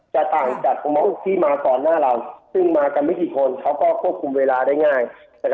ต่างจากที่มาก่อนหน้าเราซึ่งมากันไม่กี่คนเขาก็ควบคุมเวลาได้ง่าย